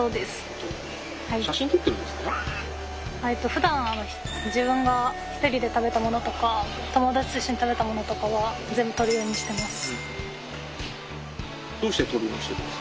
ふだん自分が一人で食べたものとか友達と一緒に食べたものとかは全部撮るようにしてます。